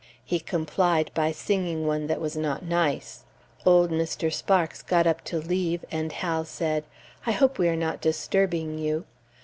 He complied by singing one that was not nice. Old Mr. Sparks got up to leave, and Hal said, "I hope we are not disturbing you?"